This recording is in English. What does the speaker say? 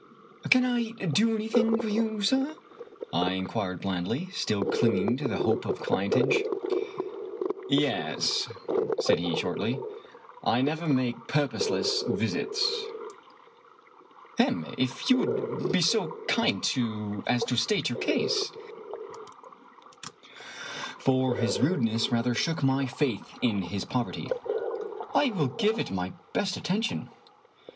"Can I do anything for you, sir?" I inquired blandly, still clinging to the hope of clientage. " Yes," said he shortly ;" I never make purposeless visits." " Hem! If you will be so kind as to state your case "— for his rudeness rather shook my faith in his poverty —" I will give it my best attention."